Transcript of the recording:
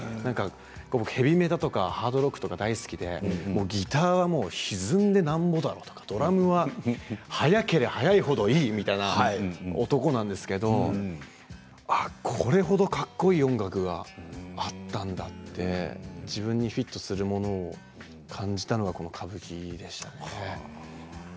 ヘビメタとかハードロックとか僕、大好きで、ギターはひずんでなんぼだ、ドラムは速ければ速い程いいみたいなそんな男なんですけれどこれ程かっこいい音楽があったんだって自分にフィットするもの感じたのがその歌舞伎でしたね。